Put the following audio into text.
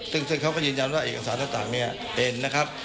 ซึ่งเขาก็ยืนยันว่าเอกสารต่างเนี่ยเห็นนะครับ